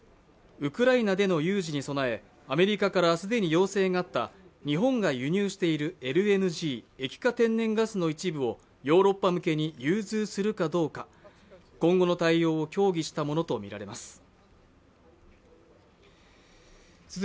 ウクライナでの有事に備え、アメリカから既に要請があった日本が輸入しているＬＮＧ＝液化天然ガスの一部をヨーロッパ向けに融通するかどうか今後の対応を協議したものとみられます。